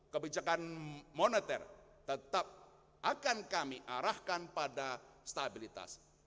kebijakan moneter tetap akan kami arahkan pada stabilitas